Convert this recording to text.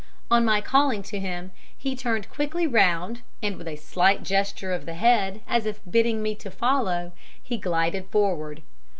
On my calling to him, he turned quickly round and, with a slight gesture of the head as if bidding me to follow, he glided forward.